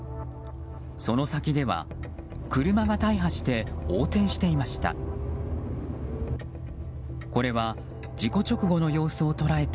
その先では車が大破して横転していました。